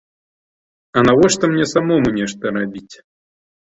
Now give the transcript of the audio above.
А навошта мне самому нешта рабіць?